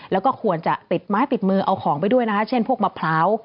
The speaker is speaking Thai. แล้วก็ควรจะติดไม้ติดมือเอาของไปด้วยนะคะเช่นพวกมะพร้าว